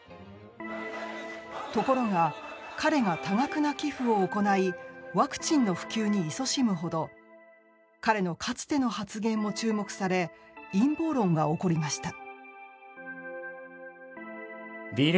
ところが、彼が多額な寄付を行いワクチンの普及にいそしむほど彼のかつての発言も注目され陰謀論が起こりました。